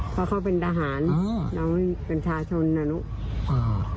เพราะเขาเป็นทหารเราเป็นชาชนอันนู้น